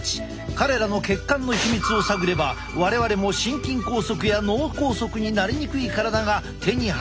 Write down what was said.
彼らの血管のヒミツを探れば我々も心筋梗塞や脳梗塞になりにくい体が手に入るかもしれない。